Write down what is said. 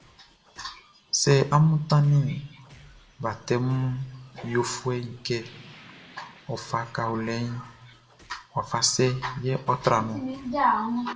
Sɛ amun tannin batɛmun yofuɛʼn kɛ ɔ fa kaolinʼn, wafa sɛ yɛ ɔ́ trán ɔn?